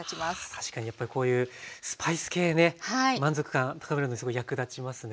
確かにやっぱりこういうスパイス系ね満足感高めるのにすごい役立ちますね。